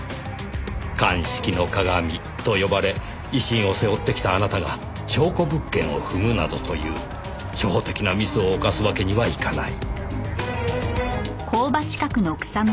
鑑識のかがみと呼ばれ威信を背負ってきたあなたが証拠物件を踏むなどという初歩的なミスを犯すわけにはいかない。